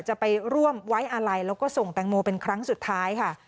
จะไปร่วมไว้อาลัยแล้วก็ส่งแตงโมเป็นครั้งสุดท้ายค่ะ